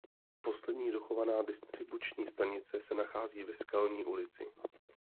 Poslední dochovaná distribuční stanice se nachází ve Skalní ulici.